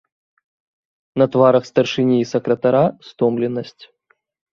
На тварах старшыні і сакратара стомленасць.